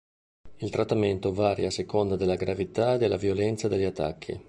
Il trattamento varia a seconda della gravità e della violenza degli attacchi.